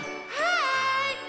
はい！